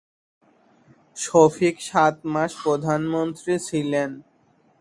শফিক সাত মাস প্রধানমন্ত্রী ছিলেন।